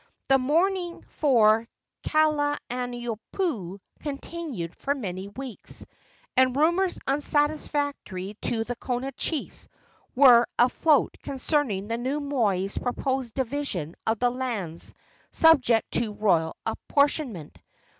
The mourning for Kalaniopuu continued for many weeks, and rumors unsatisfactory to the Kona chiefs were afloat concerning the new moi's proposed division of the lands subject to royal apportionment.